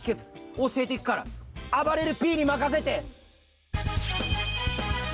おしえていくからあばれるＰにまかせて！